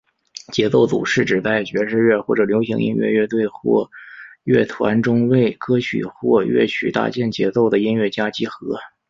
节奏组是指在爵士乐或者流行音乐乐队或乐团中为歌曲或乐曲搭建节奏的音乐家集合。